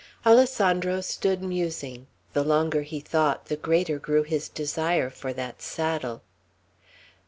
Alessandro stood musing. The longer he thought, the greater grew his desire for that saddle.